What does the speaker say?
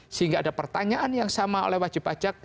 sehingga ada pertanyaan yang sama oleh wajib pajak